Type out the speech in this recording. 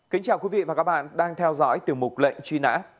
kính chào quý vị và các bạn đang theo dõi tiểu mục lệnh truy nã